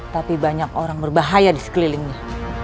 tapi banyak orang berbahaya di sekelilingnya